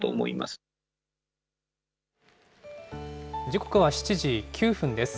時刻は７時９分です。